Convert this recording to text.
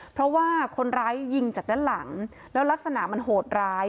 เพราะว่าคนร้ายยิงจากด้านหลังแล้วลักษณะมันโหดร้าย